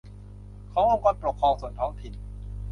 ขององค์กรปกครองส่วนท้องถิ่น